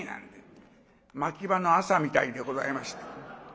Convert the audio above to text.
牧場の朝みたいでございました。